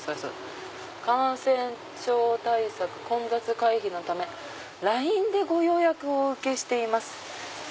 「感染症対策混雑回避の為ＬＩＮＥでご予約をお受けしています」。